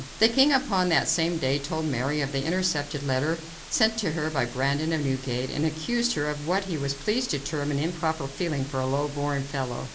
The king upon that same day told Mary of the intercepted letter sent by her to Brandon at Newgate, and accused her of what he was pleased to term an improper feeling for a low born fellow.